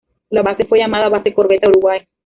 La base fue llamada Base Corbeta Uruguay.